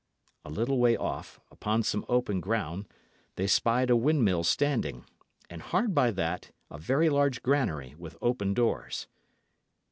A little way off, upon some open ground, they spied a windmill standing; and hard by that, a very large granary with open doors.